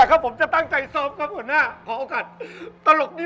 กลายเป็นแตงโม